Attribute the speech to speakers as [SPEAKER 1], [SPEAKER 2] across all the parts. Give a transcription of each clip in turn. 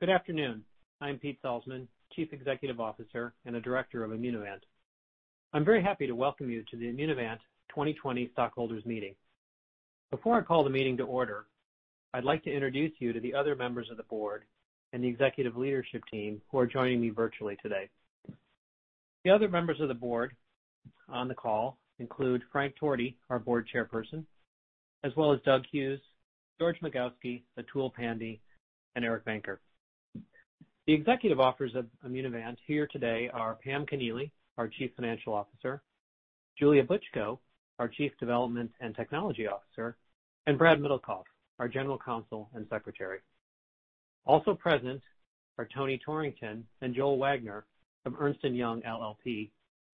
[SPEAKER 1] Good afternoon. I'm Peter Salzmann, Chief Executive Officer and a Director of Immunovant. I'm very happy to welcome you to the Immunovant 2020 stockholders meeting. Before I call the meeting to order, I'd like to introduce you to the other members of the board and the executive leadership team who are joining me virtually today. The other members of the board on the call include Frank Torti, our board chairperson, as well as Douglas Hughes, George Migausky, Atul Pande, and Eric Venker. The Executive Officers of Immunovant here today are Pam Connealy, our Chief Financial Officer, Julia Butchko, our Chief Development and Technology Officer, and Brad Middlekauff, our General Counsel and Secretary. Also present are Tony Torrington and Joel Wagner from Ernst & Young LLP,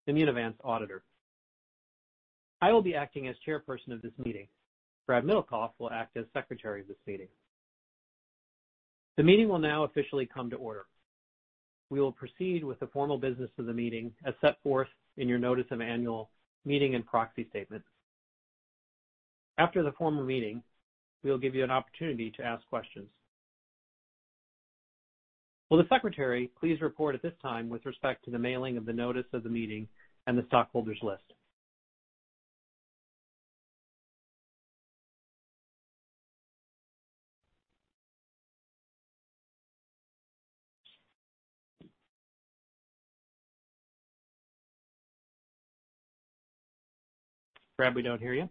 [SPEAKER 1] Immunovant's auditor. I will be acting as chairperson of this meeting. Brad Middlekauff will act as secretary of this meeting. The meeting will now officially come to order. We will proceed with the formal business of the meeting as set forth in your notice of annual meeting and proxy statement. After the formal meeting, we will give you an opportunity to ask questions. Will the secretary please report at this time with respect to the mailing of the notice of the meeting and the stockholders list? Brad, we don't hear you.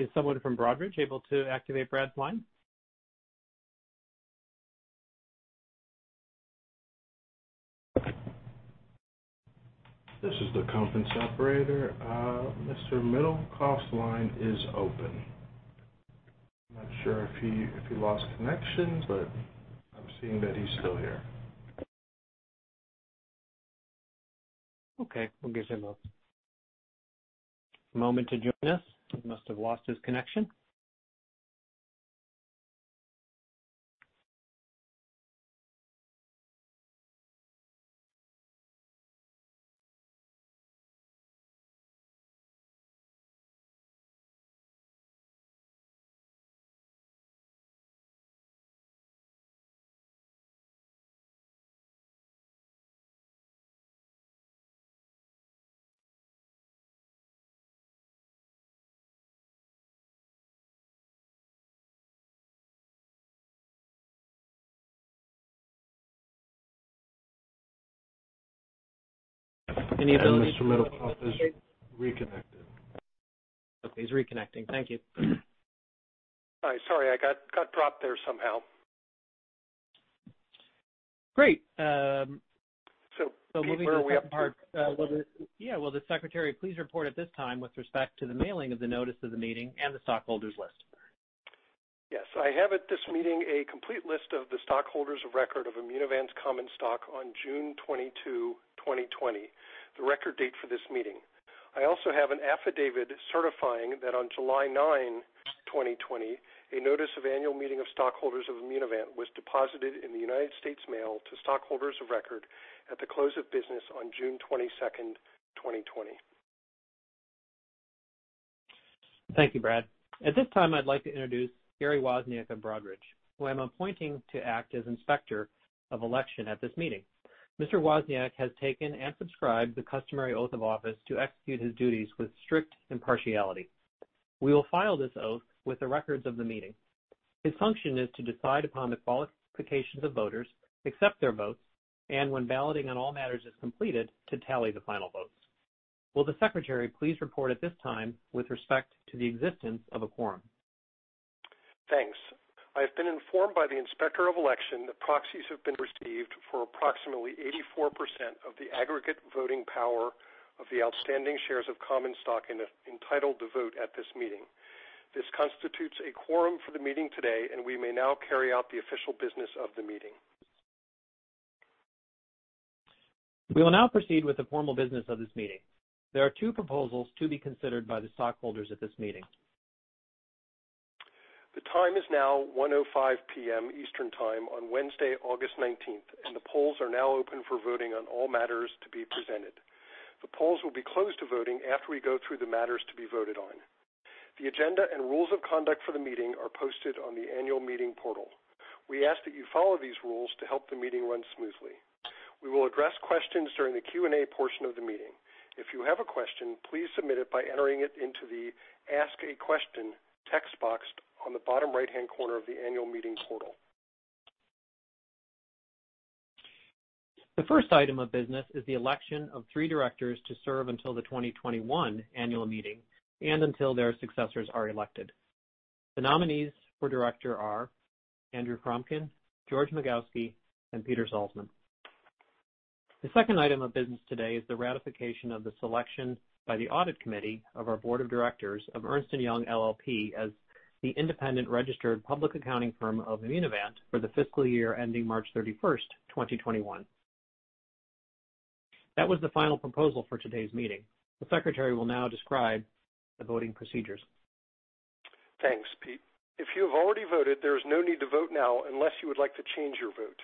[SPEAKER 1] Is someone from Broadridge able to activate Brad's line?
[SPEAKER 2] This is the conference operator. Mr. Middlekauff's line is open. I'm not sure if he lost connection, but I'm seeing that he's still here.
[SPEAKER 1] Okay. We'll give him a moment to join us. He must have lost his connection. Any ability to-
[SPEAKER 2] Mr. Middlekauff is reconnected.
[SPEAKER 1] Okay, he's reconnecting. Thank you.
[SPEAKER 3] Hi. Sorry, I got dropped there somehow.
[SPEAKER 1] Great.
[SPEAKER 3] Pete, where are we at, Mark?
[SPEAKER 1] Yeah. Will the secretary please report at this time with respect to the mailing of the notice of the meeting and the stockholders list?
[SPEAKER 3] Yes. I have at this meeting a complete list of the stockholders of record of Immunovant's common stock on June 22, 2020, the record date for this meeting. I also have an affidavit certifying that on July 9, 2020, a notice of annual meeting of stockholders of Immunovant was deposited in the United States Mail to stockholders of record at the close of business on June 22, 2020.
[SPEAKER 1] Thank you, Brad. At this time, I'd like to introduce Gary Wozniak of Broadridge, whom I'm appointing to act as Inspector of Election at this meeting. Mr. Wozniak has taken and subscribed the customary oath of office to execute his duties with strict impartiality. We will file this oath with the records of the meeting. His function is to decide upon the qualifications of voters, accept their votes, and when balloting on all matters is completed, to tally the final votes. Will the Secretary please report at this time with respect to the existence of a quorum?
[SPEAKER 3] Thanks. I have been informed by the Inspector of Election that proxies have been received for approximately 84% of the aggregate voting power of the outstanding shares of common stock entitled to vote at this meeting. This constitutes a quorum for the meeting today, and we may now carry out the official business of the meeting.
[SPEAKER 1] We will now proceed with the formal business of this meeting. There are two proposals to be considered by the stockholders at this meeting.
[SPEAKER 3] The time is now 1:05 P.M. Eastern Time on Wednesday, August 19th, and the polls are now open for voting on all matters to be presented. The polls will be closed to voting after we go through the matters to be voted on. The agenda and rules of conduct for the meeting are posted on the annual meeting portal. We ask that you follow these rules to help the meeting run smoothly. We will address questions during the Q&A portion of the meeting. If you have a question, please submit it by entering it into the Ask a Question text box on the bottom right-hand corner of the annual meeting portal.
[SPEAKER 1] The first item of business is the election of three directors to serve until the 2021 annual meeting and until their successors are elected. The nominees for director are Andrew Fromkin, George Migausky, and Peter Salzmann. The second item of business today is the ratification of the selection by the audit committee of our board of directors of Ernst & Young LLP as the independent registered public accounting firm of Immunovant for the fiscal year ending March 31st, 2021. That was the final proposal for today's meeting. The Secretary will now describe the voting procedures.
[SPEAKER 3] Thanks, Pete. If you have already voted, there is no need to vote now unless you would like to change your vote.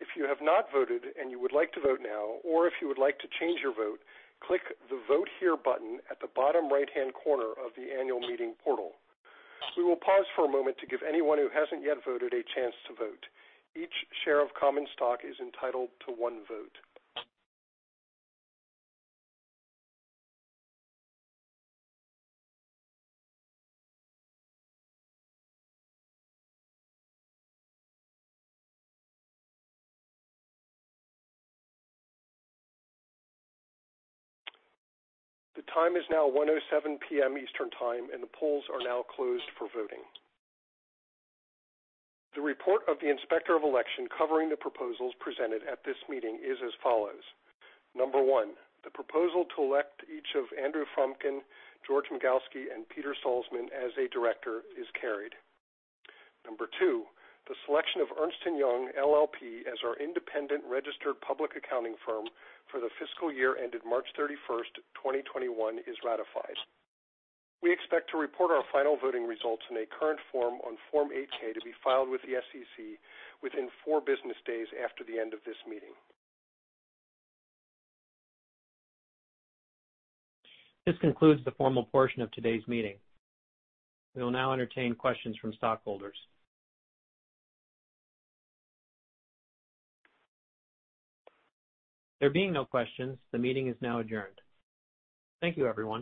[SPEAKER 3] If you have not voted and you would like to vote now, or if you would like to change your vote, click the Vote Here button at the bottom right-hand corner of the annual meeting portal. We will pause for a moment to give anyone who hasn't yet voted a chance to vote. Each share of common stock is entitled to one vote. The time is now 1:07 P.M. Eastern Time, and the polls are now closed for voting. The report of the Inspector of Election covering the proposals presented at this meeting is as follows. Number one, the proposal to elect each of Andrew Fromkin, George Migausky, and Peter Salzmann as a director is carried. Number two, the selection of Ernst & Young LLP as our independent registered public accounting firm for the fiscal year ended March 31st, 2021, is ratified. We expect to report our final voting results in a current form on Form 8-K to be filed with the SEC within four business days after the end of this meeting.
[SPEAKER 1] This concludes the formal portion of today's meeting. We will now entertain questions from stockholders. There being no questions, the meeting is now adjourned. Thank you, everyone.